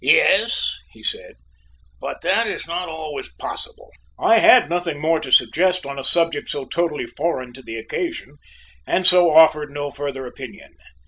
"Yes," he said, "but that is not always possible." I had nothing more to suggest on a subject so totally foreign to the occasion and so offered no further opinion.